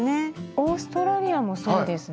オーストラリアもそうですね